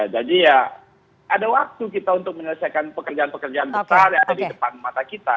jadi ya ada waktu kita untuk menyelesaikan pekerjaan pekerjaan besar yang ada di depan mata kita